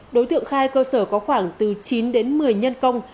đối tượng khai cơ sở có khoảng từ chín đến một mươi nhân công